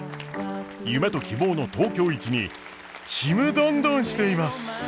夢と希望の東京行きにちむどんどんしています！